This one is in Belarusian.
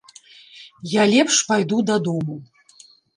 Я лепш пайду дадому.